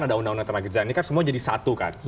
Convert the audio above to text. ada undang undang tenaga kerja ini kan semua jadi satu kan